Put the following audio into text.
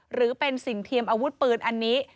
หรือเป็นสิ่งเทียมอาวุธปืนอันนี้